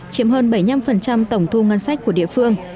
chiếm hơn bảy mươi năm tổng thu ngân sách của địa phương